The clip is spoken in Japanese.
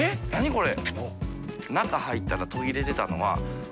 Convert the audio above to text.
これ。